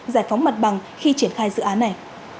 giải phóng mặt bằng khi triển khai dự án này